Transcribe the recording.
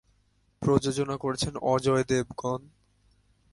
প্রযোজনা করেছেন অজয় দেবগন।